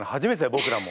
僕らも。